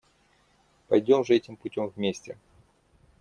Пойдем же этим путем вместе.